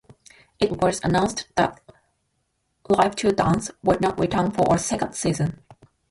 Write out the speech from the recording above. It was announced that "Live to Dance" would not return for a second season.